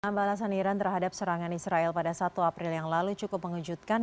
ambalasan iran terhadap serangan israel pada satu april yang lalu cukup mengejutkan